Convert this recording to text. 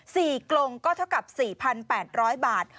สี่กลงก็เท่ากับ๔๘๐๐บาท